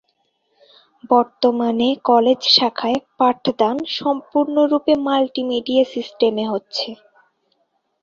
বর্তমানে কলেজ শাখায় পাঠদান সম্পূর্ণরূপে মাল্টিমিডিয়া সিস্টেমে হচ্ছে।